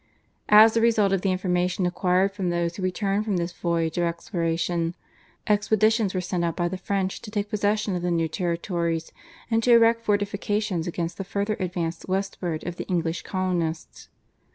As a result of the information acquired from those who returned from this voyage of exploration, expeditions were sent out by the French to take possession of the new territories and to erect fortifications against the further advance westward of the English colonists.